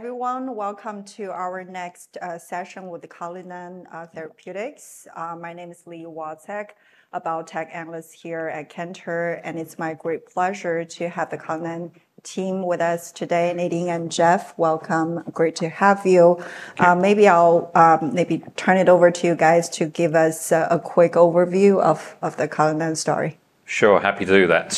Hey everyone, welcome to our next session with Cullinan Therapeutics. My name is Leigh Wozek, a biotech analyst here at Kenter, and it's my great pleasure to have the Cullinan team with us today. Nadim and Jeff, welcome, great to have you. Maybe I'll turn it over to you guys to give us a quick overview of the Cullinan story. Sure, happy to do that.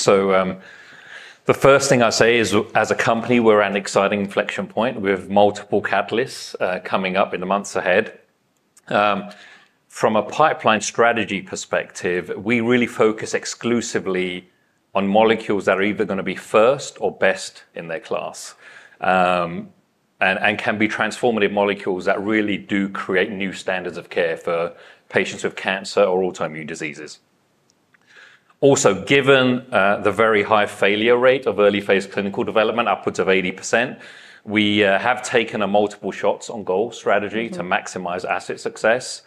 The first thing I'll say is, as a company, we're at an exciting inflection point with multiple catalysts coming up in the months ahead. From a pipeline strategy perspective, we really focus exclusively on molecules that are either going to be first or best in their class, and can be transformative molecules that really do create new standards of care for patients with cancer or autoimmune diseases. Also, given the very high failure rate of early phase clinical development, upwards of 80%, we have taken a multiple shots on goal strategy to maximize asset success.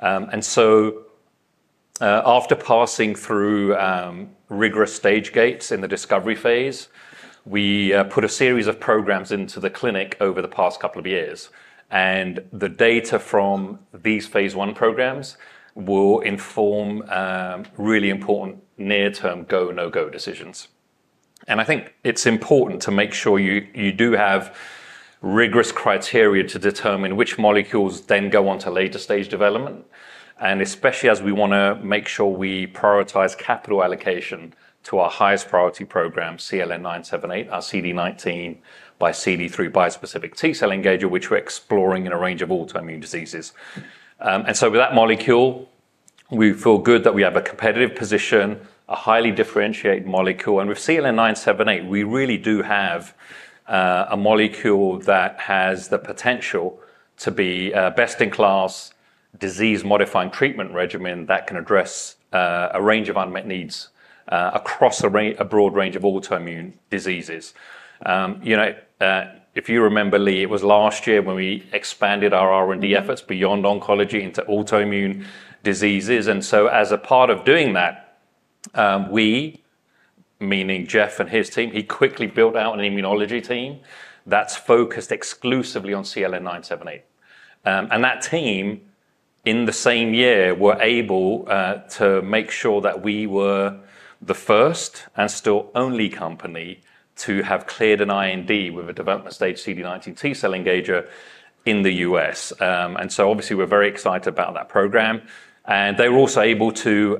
After passing through rigorous stage gates in the discovery phase, we put a series of programs into the clinic over the past couple of years, and the data from these phase one programs will inform really important near-term go/no-go decisions. I think it's important to make sure you do have rigorous criteria to determine which molecules then go on to later stage development, especially as we want to make sure we prioritize capital allocation to our highest priority program, CLN-978, our CD19 x CD3 bispecific T-cell engager, which we're exploring in a range of autoimmune diseases. With that molecule, we feel good that we have a competitive position, a highly differentiated molecule, and with CLN-978, we really do have a molecule that has the potential to be a best-in-class disease-modifying treatment regimen that can address a range of unmet needs across a broad range of autoimmune diseases. You know, if you remember, Leigh, it was last year when we expanded our R&D efforts beyond oncology into autoimmune diseases, and as a part of doing that, we, meaning Jeff and his team, he quickly built out an immunology team that's focused exclusively on CLN-978. That team, in the same year, were able to make sure that we were the first and still only company to have cleared an IND with a development stage CD19 T-cell engager in the U.S. Obviously, we're very excited about that program, and they were also able to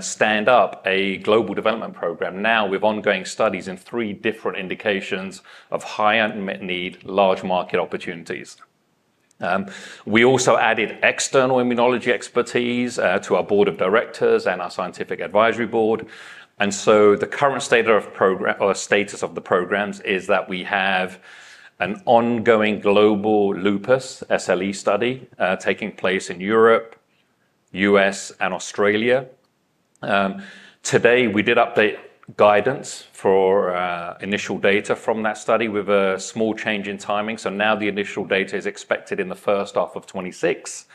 stand up a global development program now with ongoing studies in three different indications of high unmet need, large market opportunities. We also added external immunology expertise to our board of directors and our scientific advisory board, and the current state of progress, or status of the programs, is that we have an ongoing global lupus SLE study taking place in Europe, U.S., and Australia. Today, we did update guidance for initial data from that study with a small change in timing, so now the initial data is expected in the first half of 2026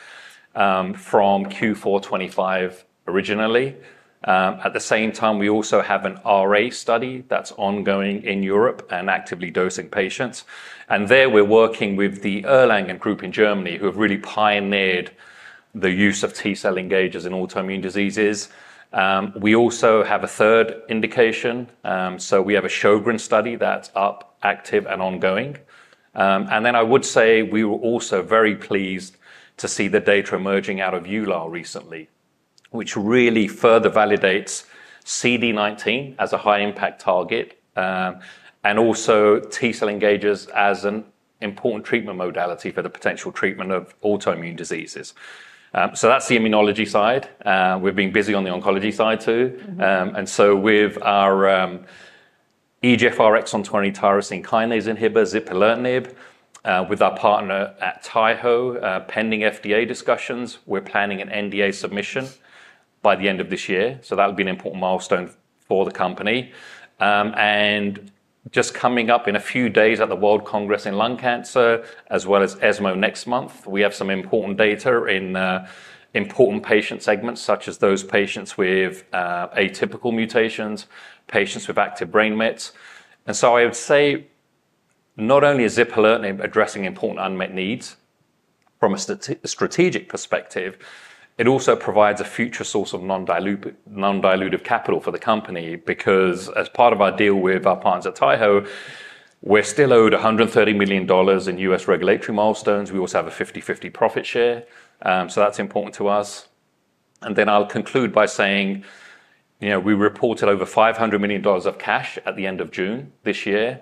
from Q4 2025 originally. At the same time, we also have an RA study that's ongoing in Europe and actively dosing patients, and there we're working with the Erlangen group in Germany who have really pioneered the use of T-cell engagers in autoimmune diseases. We also have a third indication, so we have a Sjogren’s study that's up, active, and ongoing. I would say we were also very pleased to see the data emerging out of EULAR recently, which really further validates CD19 as a high-impact target and also T-cell engagers as an important treatment modality for the potential treatment of autoimmune diseases. That's the immunology side. We've been busy on the oncology side too, and with our EGFR exon 20 tyrosine kinase inhibitor, zipalertinib, with our partner at Taiho Pharmaceutical, pending FDA discussions, we're planning an NDA submission by the end of this year, so that'll be an important milestone for the company. Just coming up in a few days at the World Congress in Lung Cancer, as well as ESMO next month, we have some important data in important patient segments such as those patients with atypical mutations, patients with active brain mets. I would say not only is zipalertinib addressing important unmet needs from a strategic perspective, it also provides a future source of non-dilutive capital for the company because as part of our deal with our partners at Taiho Pharmaceutical, we're still owed $130 million in U.S. regulatory milestones. We also have a 50-50 profit share, so that's important to us. I'll conclude by saying, you know, we reported over $500 million of cash at the end of June this year,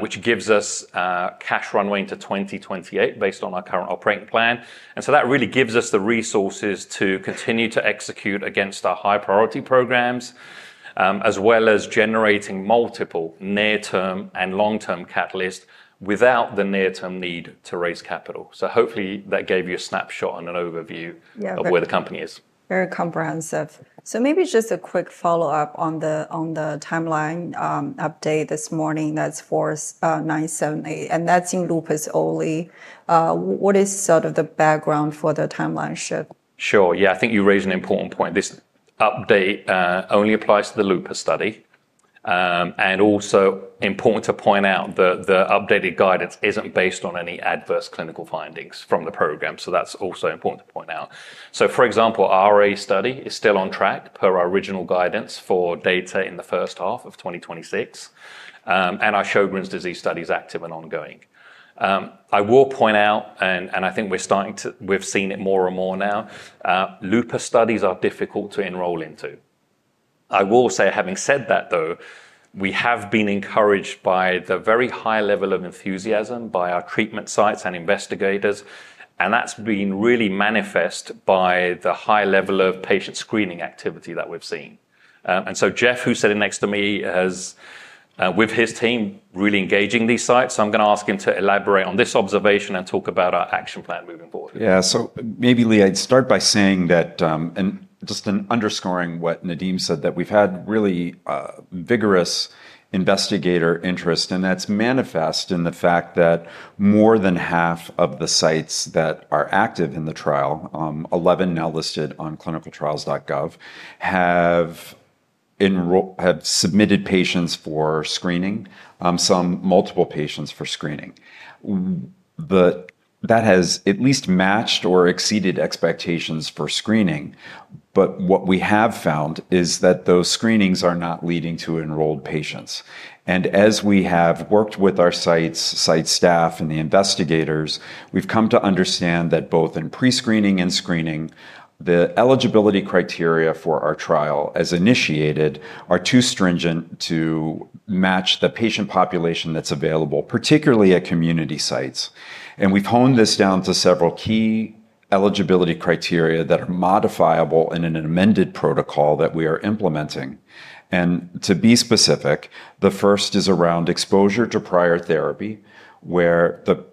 which gives us cash runway into 2028 based on our current operating plan. That really gives us the resources to continue to execute against our high priority programs, as well as generating multiple near-term and long-term catalysts without the near-term need to raise capital. Hopefully that gave you a snapshot and an overview of where the company is. Very comprehensive. Maybe just a quick follow-up on the timeline update this morning, that's for 978, and that's in lupus only. What is sort of the background for the timeline shift? Sure, yeah, I think you raise an important point. This update only applies to the lupus study, and also important to point out that the updated guidance isn't based on any adverse clinical findings from the program, so that's also important to point out. For example, our RA study is still on track per our original guidance for data in the first half of 2026, and our Sjogren's disease study is active and ongoing. I will point out, and I think we're starting to, we've seen it more and more now, lupus studies are difficult to enroll into. Having said that though, we have been encouraged by the very high level of enthusiasm by our treatment sites and investigators, and that's been really manifest by the high level of patient screening activity that we've seen. Jeff, who's sitting next to me, has, with his team, really engaging these sites, so I'm going to ask him to elaborate on this observation and talk about our action plan moving forward. Yeah, so maybe Leigh, I'd start by saying that, and just underscoring what Nadim said, that we've had really vigorous investigator interest, and that's manifest in the fact that more than half of the sites that are active in the trial, 11 now listed on clinicaltrials.gov, have submitted patients for screening, some multiple patients for screening. That has at least matched or exceeded expectations for screening. What we have found is that those screenings are not leading to enrolled patients. As we have worked with our sites, site staff, and the investigators, we've come to understand that both in pre-screening and screening, the eligibility criteria for our trial as initiated are too stringent to match the patient population that's available, particularly at community sites. We've honed this down to several key eligibility criteria that are modifiable in an amended protocol that we are implementing. To be specific, the first is around exposure to prior therapy, where the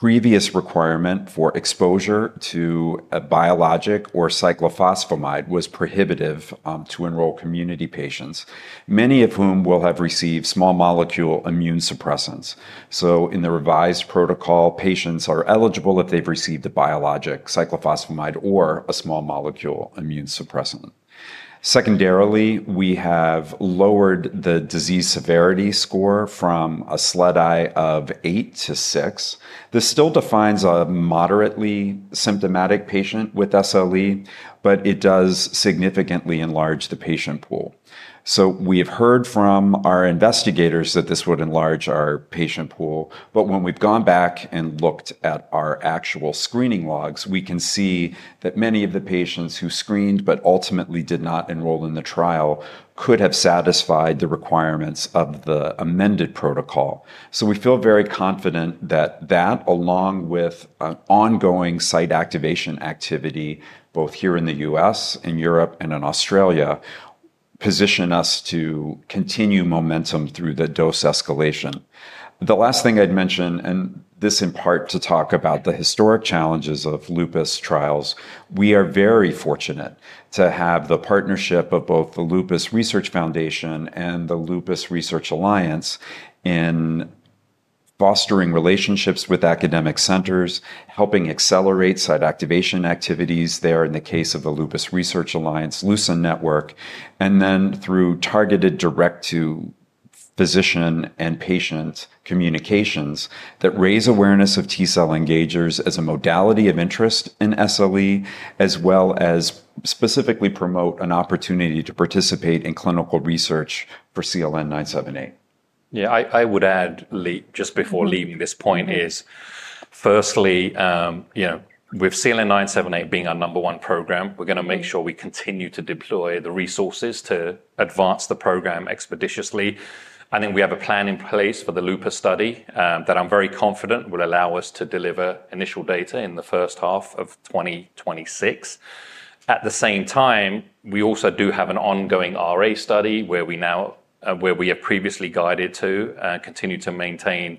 previous requirement for exposure to a biologic or cyclophosphamide was prohibitive to enroll community patients, many of whom will have received small molecule immune suppressants. In the revised protocol, patients are eligible if they've received a biologic, cyclophosphamide, or a small molecule immune suppressant. Secondarily, we have lowered the disease severity score from a SLEDAI of 8 to 6. This still defines a moderately symptomatic patient with SLE, but it does significantly enlarge the patient pool. We have heard from our investigators that this would enlarge our patient pool. When we've gone back and looked at our actual screening logs, we can see that many of the patients who screened but ultimately did not enroll in the trial could have satisfied the requirements of the amended protocol. We feel very confident that that, along with an ongoing site activation activity, both here in the U.S., in Europe, and in Australia, position us to continue momentum through the dose escalation. The last thing I'd mention, and this in part to talk about the historic challenges of lupus trials, we are very fortunate to have the partnership of both the Lupus Research Foundation and the Lupus Research Alliance in fostering relationships with academic centers, helping accelerate site activation activities. They are, in the case of the Lupus Research Alliance, a loose network, and then through targeted direct to physician and patient communications that raise awareness of T-cell engagers as a modality of interest in SLE, as well as specifically promote an opportunity to participate in clinical research for CLN-978. Yeah, I would add, Leigh, just before leaving, this point is firstly, you know, with CLN-978 being our number one program, we're going to make sure we continue to deploy the resources to advance the program expeditiously. I think we have a plan in place for the lupus study that I'm very confident will allow us to deliver initial data in the first half of 2026. At the same time, we also do have an ongoing RA study where we have previously guided to continue to maintain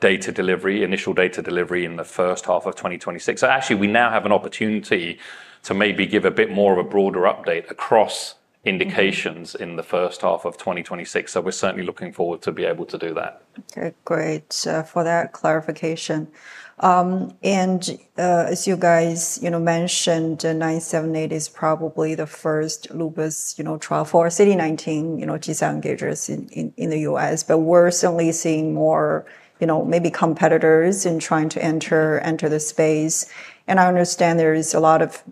data delivery, initial data delivery in the first half of 2026. We now have an opportunity to maybe give a bit more of a broader update across indications in the first half of 2026. We're certainly looking forward to be able to do that. Okay, great for that clarification. As you guys mentioned, CLN-978 is probably the first lupus trial for CD19 T-cell engagers in the U.S. We're certainly seeing more competitors trying to enter the space. I understand there's a lot of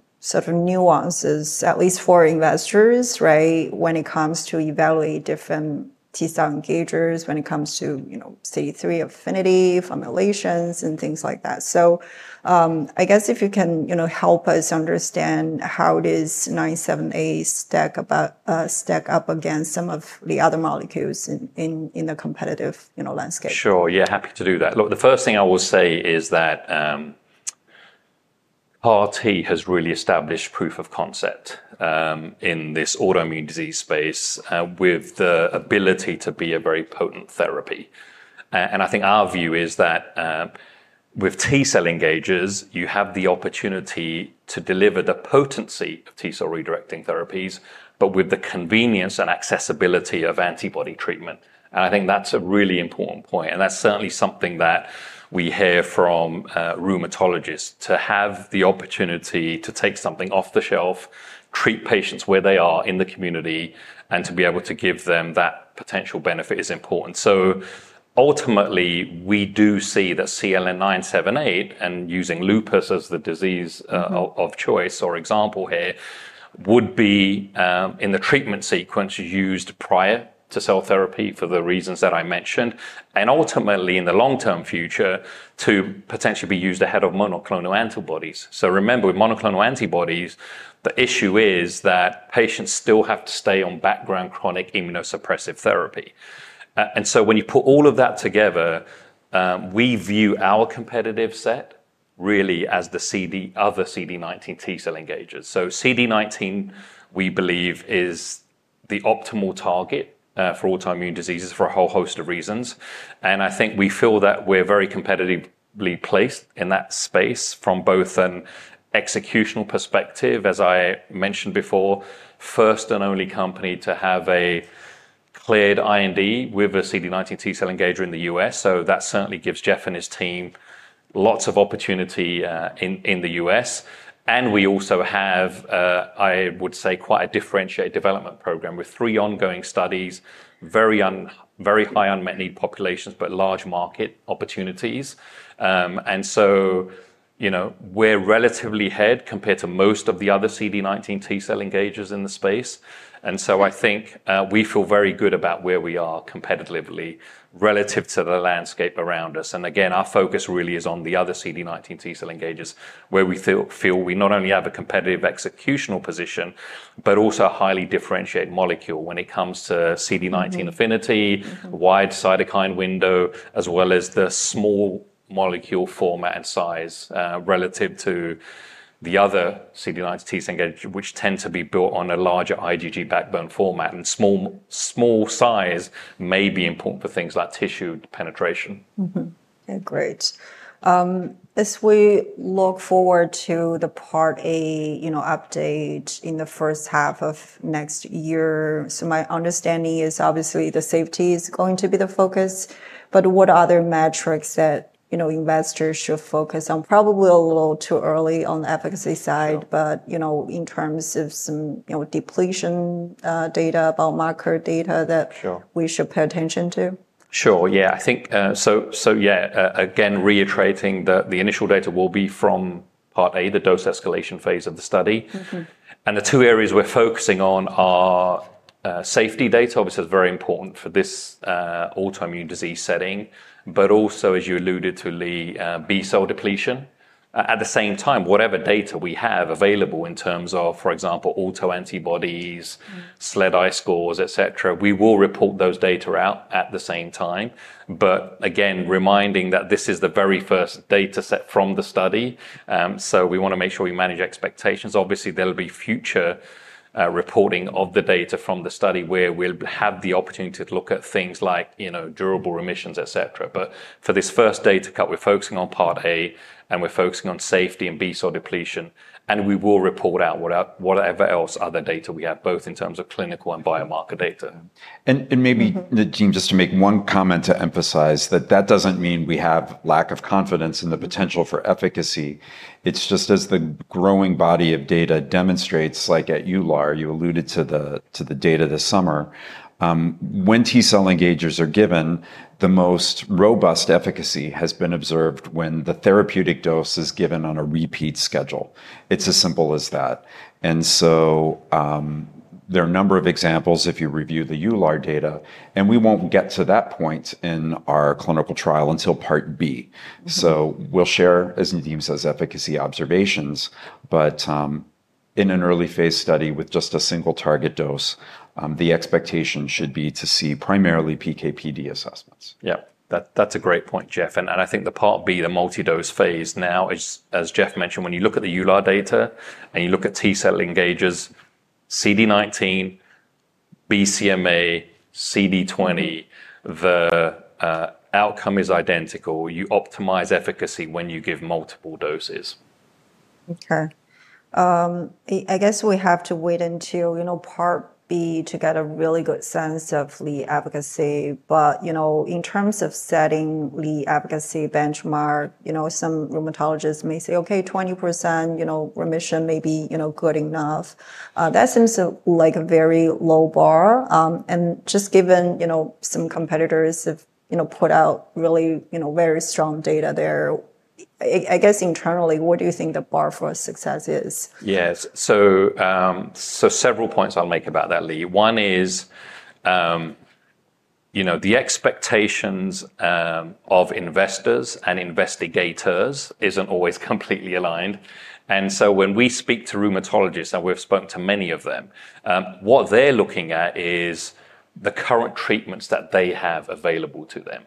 nuances, at least for investors, when it comes to evaluating different T-cell engagers, when it comes to CD3 affinity formulations and things like that. I guess if you can help us understand, how does CLN-978 stack up against some of the other molecules in the competitive landscape? Sure, yeah, happy to do that. The first thing I will say is that RT has really established proof of concept in this autoimmune disease space with the ability to be a very potent therapy. I think our view is that with T-cell engagers, you have the opportunity to deliver the potency of T-cell redirecting therapies, but with the convenience and accessibility of antibody treatment. I think that's a really important point. That's certainly something that we hear from rheumatologists, to have the opportunity to take something off the shelf, treat patients where they are in the community, and to be able to give them that potential benefit is important. Ultimately, we do see that CLN-978, and using lupus as the disease of choice or example here, would be in the treatment sequence used prior to cell therapy for the reasons that I mentioned, and ultimately in the long-term future to potentially be used ahead of monoclonal antibodies. Remember, with monoclonal antibodies, the issue is that patients still have to stay on background chronic immunosuppressive therapy. When you put all of that together, we view our competitive set really as the other CD19 T-cell engagers. CD19, we believe, is the optimal target for autoimmune diseases for a whole host of reasons. I think we feel that we're very competitively placed in that space from both an executional perspective, as I mentioned before, first and only company to have a cleared IND with a CD19 T-cell engager in the U.S. That certainly gives Jeff and his team lots of opportunity in the U.S. We also have, I would say, quite a differentiated development program with three ongoing studies, very high unmet need populations, but large market opportunities. We're relatively ahead compared to most of the other CD19 T-cell engagers in the space. I think we feel very good about where we are competitively relative to the landscape around us. Our focus really is on the other CD19 T-cell engagers where we feel we not only have a competitive executional position, but also a highly differentiated molecule when it comes to CD19 affinity, wide cytokine window, as well as the small molecule format and size relative to the other CD19 T-cell engagers, which tend to be built on a larger IgG backbone format. Small size may be important for things like tissue penetration. Yeah, great. As we look forward to the part A update in the first half of next year, my understanding is obviously the safety is going to be the focus. What other metrics should investors focus on? Probably a little too early on the efficacy side, but in terms of some depletion data or marker data, we should pay attention to that. Sure, yeah, I think, again reiterating that the initial data will be from part A, the dose escalation phase of the study. The two areas we're focusing on are safety data, which is very important for this autoimmune disease setting, but also, as you alluded to, Leigh, B-cell depletion. At the same time, whatever data we have available in terms of, for example, autoantibodies, SLEDAI scores, etc., we will report those data out at the same time. Again, reminding that this is the very first data set from the study, we want to make sure we manage expectations. Obviously, there'll be future reporting of the data from the study where we'll have the opportunity to look at things like durable remissions, etc. For this first data cut, we're focusing on part A, and we're focusing on safety and B-cell depletion, and we will report out whatever else other data we have, both in terms of clinical and biomarker data. Maybe, Nadim, just to make one comment to emphasize that doesn't mean we have lack of confidence in the potential for efficacy. It's just as the growing body of data demonstrates, like at EULAR, you alluded to the data this summer. When T-cell engagers are given, the most robust efficacy has been observed when the therapeutic dose is given on a repeat schedule. It's as simple as that. There are a number of examples if you review the EULAR data, and we won't get to that point in our clinical trial until part B. We'll share, as Nadim says, efficacy observations, but in an early phase study with just a single target dose, the expectation should be to see primarily PKPD assessments. Yeah, that's a great point, Jeff. I think the part B, the multi-dose phase now, as Jeff mentioned, when you look at the ULAR data and you look at T-cell engagers, CD19, BCMA, CD20, the outcome is identical. You optimize efficacy when you give multiple doses. Okay. I guess we have to wait until, you know, part B to get a really good sense of lead efficacy. In terms of setting lead efficacy benchmark, some rheumatologists may say, okay, 20% remission may be, you know, good enough. That seems like a very low bar. Given some competitors have put out really, you know, very strong data there, I guess internally, what do you think the bar for success is? Yes, so several points I'll make about that, Leigh. One is, you know, the expectations of investors and investigators aren't always completely aligned. When we speak to rheumatologists, and we've spoken to many of them, what they're looking at is the current treatments that they have available to them.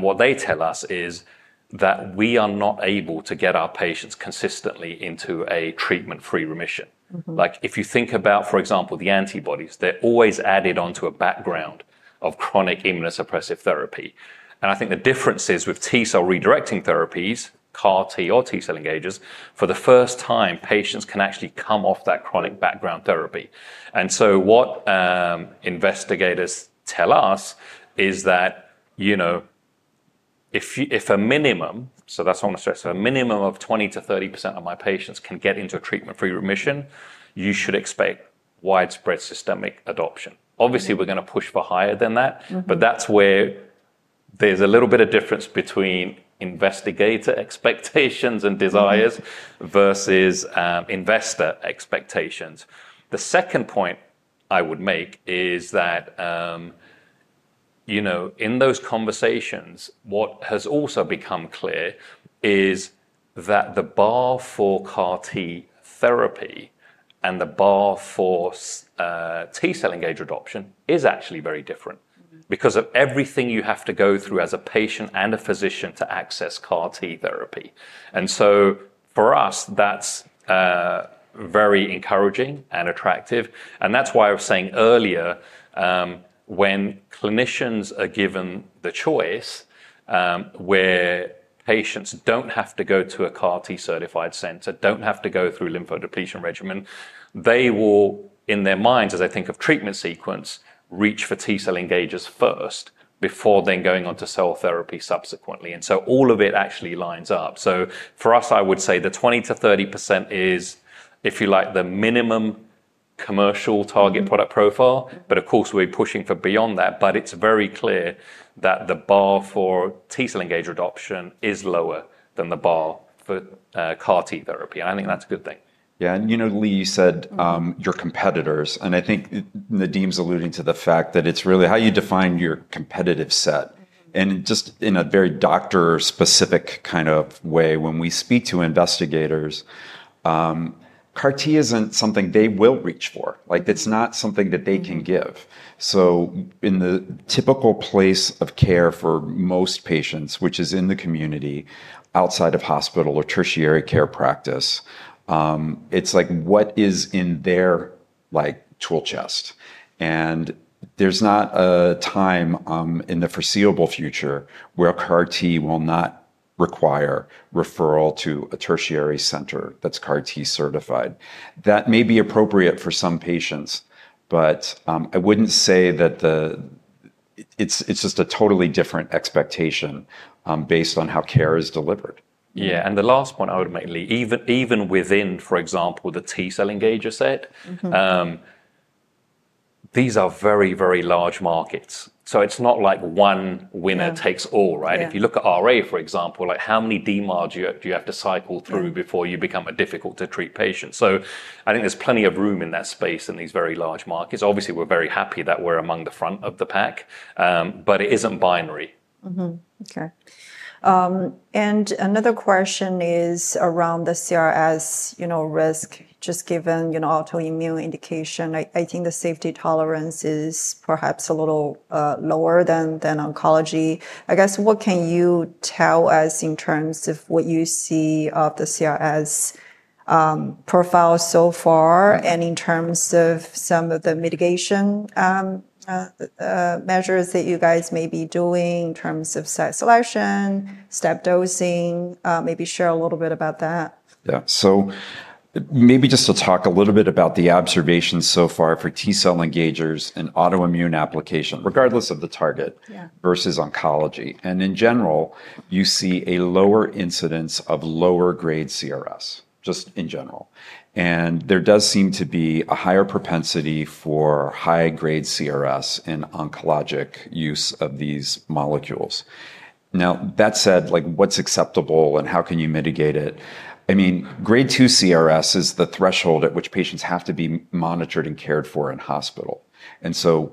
What they tell us is that we are not able to get our patients consistently into a treatment-free remission. Like if you think about, for example, the antibodies, they're always added onto a background of chronic immunosuppressive therapy. I think the difference is with T-cell redirecting therapies, CAR-T or T-cell engagers, for the first time, patients can actually come off that chronic background therapy. What investigators tell us is that, if a minimum, so that's what I want to stress, a minimum of 20% to 30% of my patients can get into a treatment-free remission, you should expect widespread systemic adoption. Obviously, we're going to push for higher than that, but that's where there's a little bit of difference between investigator expectations and desires versus investor expectations. The second point I would make is that, in those conversations, what has also become clear is that the bar for CAR-T therapy and the bar for T-cell engager adoption is actually very different because of everything you have to go through as a patient and a physician to access CAR-T therapy. For us, that's very encouraging and attractive. That's why I was saying earlier, when clinicians are given the choice, where patients don't have to go to a CAR-T certified center, don't have to go through lympho depletion regimen, they will, in their minds, as they think of treatment sequence, reach for T-cell engagers first before then going on to cell therapy subsequently. All of it actually lines up. For us, I would say the 20% to 30% is, if you like, the minimum commercial target product profile. Of course, we're pushing for beyond that. It's very clear that the bar for T-cell engager adoption is lower than the bar for CAR-T therapy. I think that's a good thing. Yeah, and you know, Leigh, you said your competitors. I think Nadim's alluding to the fact that it's really how you define your competitive set. Just in a very doctor-specific kind of way, when we speak to investigators, CAR-T isn't something they will reach for. It's not something that they can give. In the typical place of care for most patients, which is in the community, outside of hospital or tertiary care practice, it's like what is in their tool chest. There's not a time in the foreseeable future where CAR-T will not require referral to a tertiary center that's CAR-T certified. That may be appropriate for some patients, but I wouldn't say that. It's just a totally different expectation based on how care is delivered. Yeah, and the last one ultimately, even within, for example, the T-cell engager set, these are very, very large markets. It's not like one winner takes all, right? If you look at RA, for example, how many DMARDs do you have to cycle through before you become a difficult-to-treat patient? I think there's plenty of room in that space in these very large markets. Obviously, we're very happy that we're among the front of the pack, but it isn't binary. Okay. Another question is around the CRS risk, just given autoimmune indication. I think the safety tolerance is perhaps a little lower than oncology. I guess what can you tell us in terms of what you see of the CRS profile so far? In terms of some of the mitigation measures that you guys may be doing in terms of site selection, step dosing, maybe share a little bit about that? Yeah, so maybe just to talk a little bit about the observations so far for T-cell engagers and autoimmune application, regardless of the target versus oncology. In general, you see a lower incidence of lower-grade CRS, just in general. There does seem to be a higher propensity for high-grade CRS in oncologic use of these molecules. That said, like what's acceptable and how can you mitigate it? Grade 2 CRS is the threshold at which patients have to be monitored and cared for in hospital.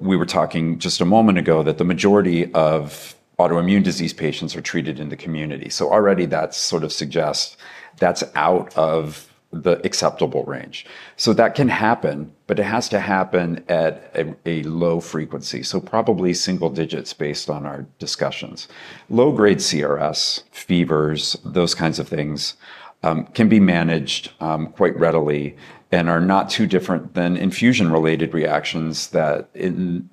We were talking just a moment ago that the majority of autoimmune disease patients are treated in the community. That sort of suggests that's out of the acceptable range. That can happen, but it has to happen at a low frequency. Probably single digits based on our discussions. Low-grade CRS, fevers, those kinds of things can be managed quite readily and are not too different than infusion-related reactions that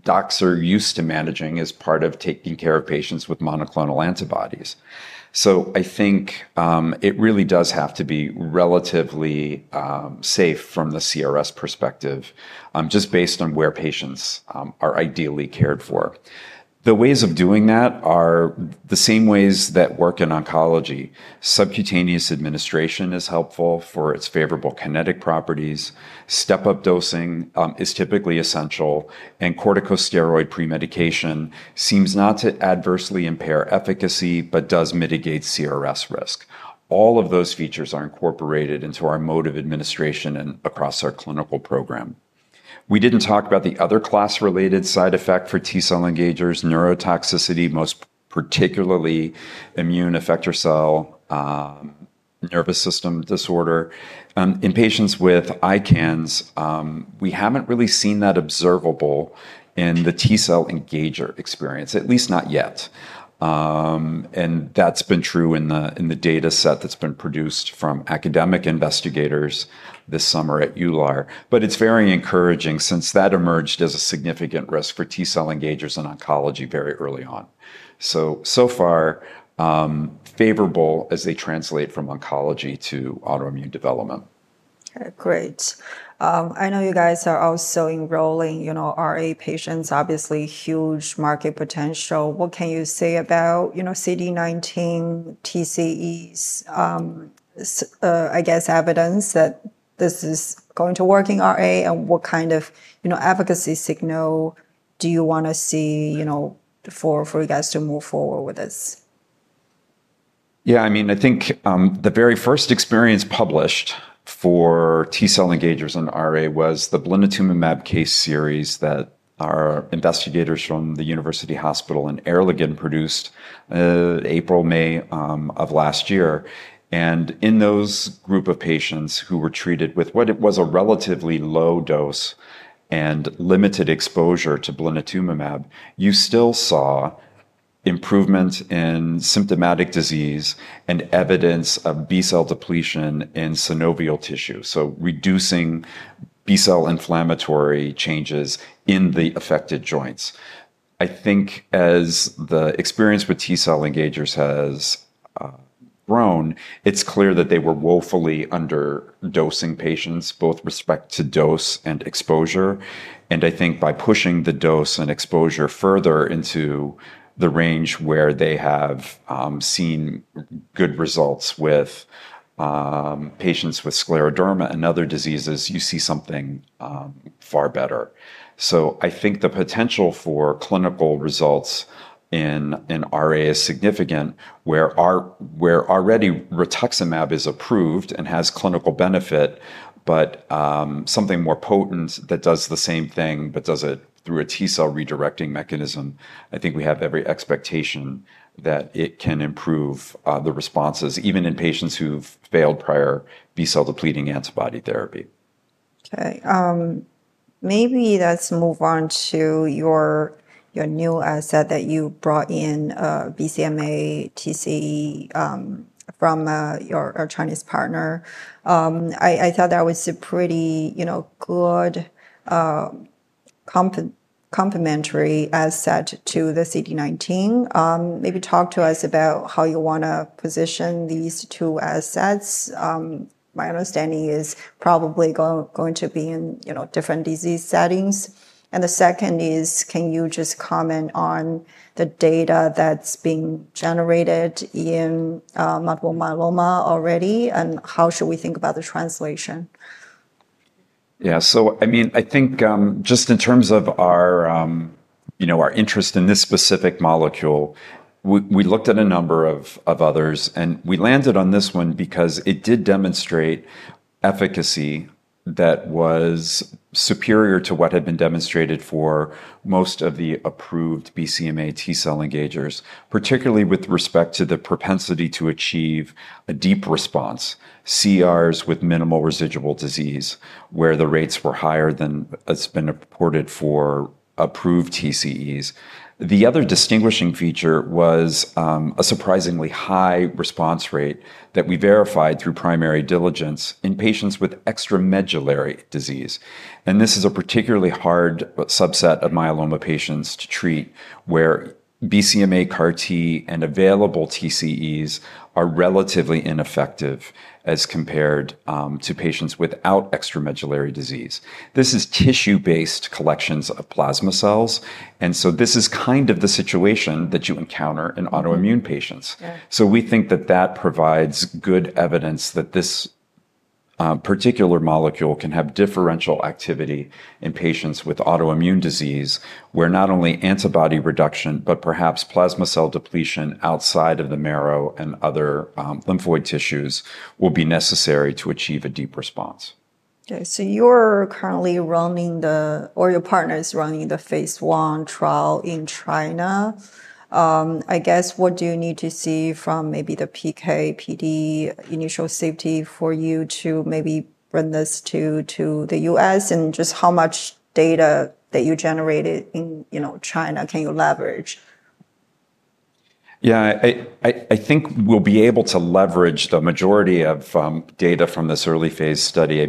docs are used to managing as part of taking care of patients with monoclonal antibodies. I think it really does have to be relatively safe from the CRS perspective, just based on where patients are ideally cared for. The ways of doing that are the same ways that work in oncology. Subcutaneous administration is helpful for its favorable kinetic properties. Step-up dosing is typically essential. Corticosteroid premedication seems not to adversely impair efficacy, but does mitigate CRS risk. All of those features are incorporated into our mode of administration and across our clinical program. We didn't talk about the other class-related side effect for T-cell engagers, neurotoxicity, most particularly immune effector cell nervous system disorder. In patients with ICANS, we haven't really seen that observable in the T-cell engager experience, at least not yet. That's been true in the data set that's been produced from academic investigators this summer at EULAR. It's very encouraging since that emerged as a significant risk for T-cell engagers in oncology very early on. So far, favorable as they translate from oncology to autoimmune development. Great. I know you guys are also enrolling, you know, RA patients, obviously huge market potential. What can you say about, you know, CD19 TCEs, I guess, evidence that this is going to work in RA? What kind of, you know, efficacy signal do you want to see, you know, for you guys to move forward with this? Yeah, I mean, I think the very first experience published for T-cell engagers in RA was the blinatumomab case series that our investigators from the University Hospital in Arlington produced in April, May of last year. In those group of patients who were treated with what was a relatively low dose and limited exposure to blinatumomab, you still saw improvements in symptomatic disease and evidence of B-cell depletion in synovial tissue, reducing B-cell inflammatory changes in the affected joints. I think as the experience with T-cell engagers has grown, it's clear that they were woefully under-dosing patients, both with respect to dose and exposure. I think by pushing the dose and exposure further into the range where they have seen good results with patients with scleroderma and other diseases, you see something far better. I think the potential for clinical results in RA is significant, where already rituximab is approved and has clinical benefit, but something more potent that does the same thing, but does it through a T-cell redirecting mechanism. I think we have every expectation that it can improve the responses, even in patients who've failed prior B-cell depleting antibody therapy. Okay, maybe let's move on to your new asset that you brought in, BCMA T-cell engager, from our Chinese partner. I thought that was a pretty, you know, good complementary asset to the CD19. Maybe talk to us about how you want to position these two assets. My understanding is probably going to be in, you know, different disease settings. The second is, can you just comment on the data that's being generated in multiple myeloma already, and how should we think about the translation? Yeah, so I mean, I think just in terms of our interest in this specific molecule, we looked at a number of others, and we landed on this one because it did demonstrate efficacy that was superior to what had been demonstrated for most of the approved BCMA T-cell engagers, particularly with respect to the propensity to achieve a deep response, CERs with minimal residual disease, where the rates were higher than it's been reported for approved TCEs. The other distinguishing feature was a surprisingly high response rate that we verified through primary diligence in patients with extramedullary disease. This is a particularly hard subset of myeloma patients to treat, where BCMA CAR-T and available TCEs are relatively ineffective as compared to patients without extramedullary disease. This is tissue-based collections of plasma cells, and this is kind of the situation that you encounter in autoimmune patients. We think that that provides good evidence that this particular molecule can have differential activity in patients with autoimmune disease, where not only antibody reduction, but perhaps plasma cell depletion outside of the marrow and other lymphoid tissues will be necessary to achieve a deep response. Okay, so you're currently running the, or your partner is running the phase one trial in China. I guess what do you need to see from maybe the PKPD initial safety for you to maybe bring this to the U.S., and just how much data that you generated in, you know, China can you leverage? Yeah, I think we'll be able to leverage the majority of data from this early phase study. I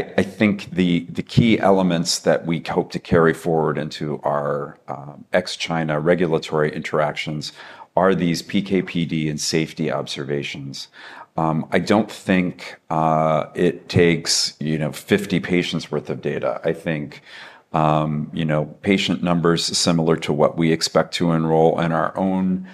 think the key elements that we hope to carry forward into our ex-China regulatory interactions are these PKPD and safety observations. I don't think it takes 50 patients' worth of data. I think patient numbers similar to what we expect to enroll in our own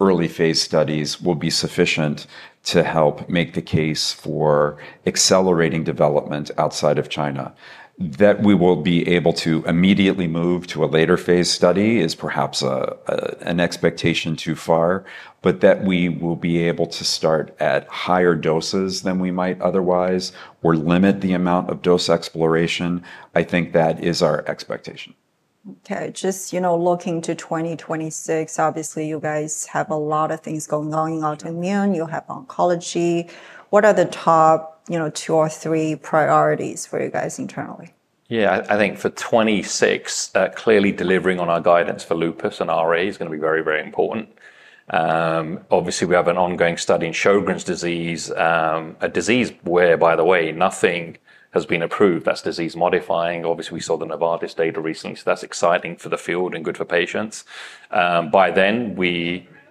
early phase studies will be sufficient to help make the case for accelerating development outside of China. That we will be able to immediately move to a later phase study is perhaps an expectation too far, but that we will be able to start at higher doses than we might otherwise or limit the amount of dose exploration, I think that is our expectation. Okay, just looking to 2026, obviously you guys have a lot of things going on in autoimmune, you have oncology. What are the top two or three priorities for you guys internally? Yeah, I think for 2026, clearly delivering on our guidance for lupus and RA is going to be very, very important. Obviously, we have an ongoing study in Sjogren’s disease, a disease where, by the way, nothing has been approved that’s disease modifying. Obviously, we saw the Novartis data recently, so that’s exciting for the field and good for patients. By then, we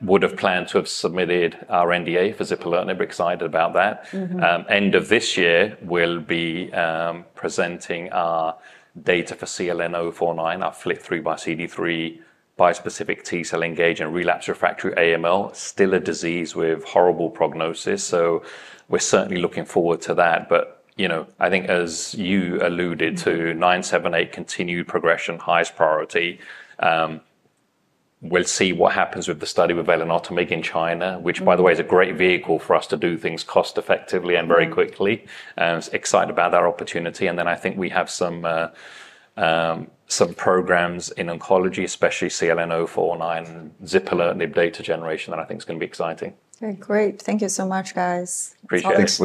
would have planned to have submitted our NDA for zipalertinib, we’re excited about that. End of this year, we’ll be presenting our data for CLN-049, our flip through by CD3 bispecific T-cell engager in relapsed refractory AML, still a disease with horrible prognosis. We’re certainly looking forward to that, but you know, I think as you alluded to, 978, continued progression, highest priority. We’ll see what happens with the study with velinotamig in China, which by the way is a great vehicle for us to do things cost-effectively and very quickly. I’m excited about that opportunity. I think we have some programs in oncology, especially CLN-049, zipalertinib data generation that I think is going to be exciting. Great, thank you so much, guys. Appreciate it.